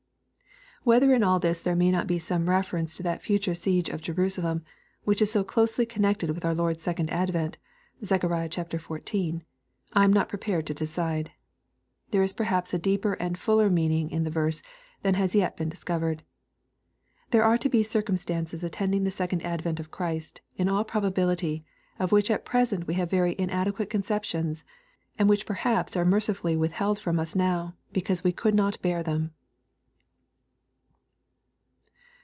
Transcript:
Whether in all this there may not be some reference to that future siege of Jerusalem, which is so closely connected with our Lord's second advent, (Zech. xiv.) I am not prepared to decide. There is perhaps a deeper and fuller meaning in the verse than has yet been discovered. There are to be circumstances attending the second advent of Christ, in all probability, of which at present we have very inadequate conceptions, and which per haps are mercifully withheld from us now, because we could not bear them.